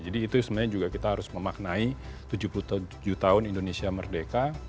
jadi itu sebenarnya juga kita harus memaknai tujuh puluh tujuh tahun indonesia merdeka